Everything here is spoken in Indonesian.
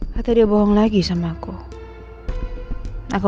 maka dia bohong lagi sama aku